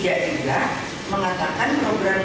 kalau amerika kayak begini